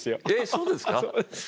えそうですか。